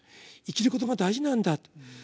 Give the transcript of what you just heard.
生きることが大事なんだと。